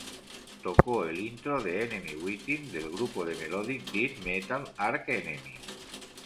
Tocó el intro de "Enemy Within" del grupo de melodic death metal Arch Enemy.